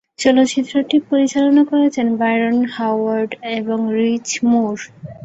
চলচ্চিত্রটি পরিচালনা করেছেন বায়রন হাওয়ার্ড এবং রিচ মুর।